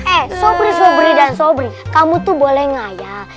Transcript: eh sobri sobri dan sobri kamu tuh boleh ngaya